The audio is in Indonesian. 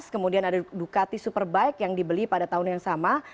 kemudian ada ducati superbike yang dibeli pada tahun yang sama